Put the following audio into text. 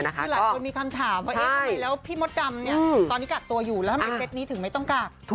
คือหลายคนมีคำถามว่าเอ๊ะทำไมแล้วพี่มดดำเนี่ยตอนนี้กักตัวอยู่แล้วทำไมเซ็ตนี้ถึงไม่ต้องกัก